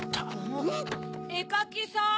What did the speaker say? えかきさん？